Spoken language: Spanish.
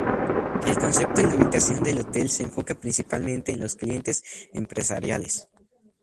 El Concepto y la ubicación del hotel se enfoca principalmente en los clientes empresariales.